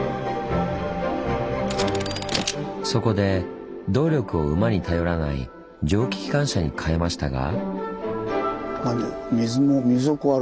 そこで動力を馬に頼らない蒸気機関車に変えましたが。